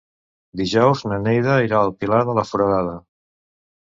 Dijous na Neida irà al Pilar de la Foradada.